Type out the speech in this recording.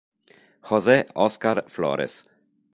José Oscar Flores